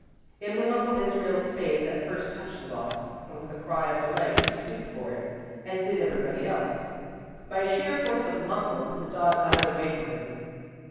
It was Uncle Israel's spade that first touched the box, and, with a cry of delight, he stooped for it, as did everybody else. By sheer force of muscle, Mrs. Dodd got it away from him.